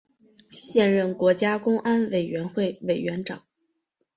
现任国家公安委员会委员长。